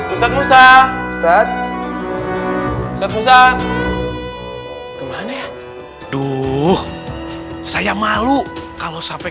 ustadz musa ustadz musa kemana ya duh saya malu kalau sampai